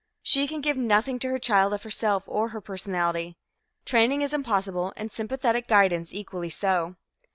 She can give nothing to her child of herself, of her personality. Training is impossible and sympathetic guidance equally so.